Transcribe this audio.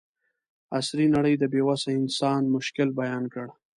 عصري نړۍ د بې وسه انسان مشکل بیان کړ.